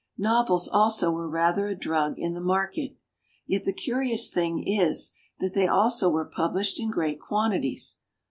Novels also were rather a drug in the market. Yet the curious thing is that they also were published in great quantities.